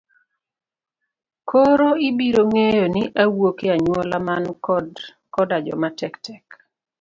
Koro ibiro ng'eyo ni awuok e anyuola man koda joma tek tek.